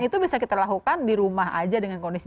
itu bisa kita lakukan di rumah aja dengan kondisi